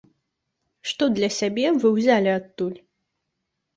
Што для сябе вы ўзялі адтуль?